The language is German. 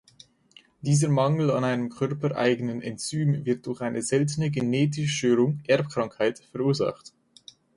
Dieser Mangel an einem körpereigenen Enzym wird durch eine seltene genetische Störung (Erbkrankheit) verursacht.